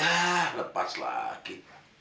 ah lepas lagi